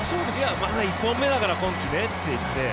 まだ一本目だから、今季ねって言って。